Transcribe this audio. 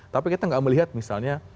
tapi kita nggak melihat misalnya